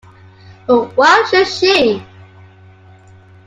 But why should she?